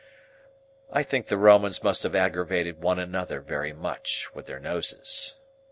I think the Romans must have aggravated one another very much, with their noses.